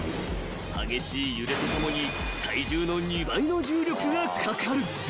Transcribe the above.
［激しい揺れとともに体重の２倍の重力がかかる］